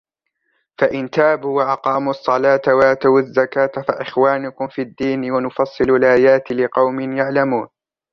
فَإِنْ تَابُوا وَأَقَامُوا الصَّلَاةَ وَآتَوُا الزَّكَاةَ فَإِخْوَانُكُمْ فِي الدِّينِ وَنُفَصِّلُ الْآيَاتِ لِقَوْمٍ يَعْلَمُونَ